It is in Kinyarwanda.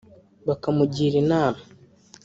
bakamugira inama